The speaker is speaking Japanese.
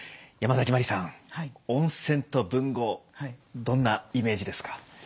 ヤマザキマリさん温泉と文豪どんなイメージですか？